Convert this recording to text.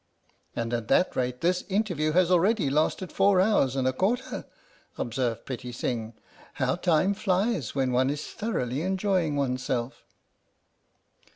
"" And at that rate this interview has already lasted four hours and a quarter," observed Pitti Sing. " How time flies when one is thoroughly enjoying one's self!